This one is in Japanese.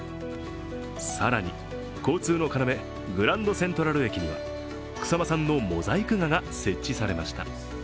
更に交通の要、グランドセントラル駅には草間さんのモザイク画が設置されました。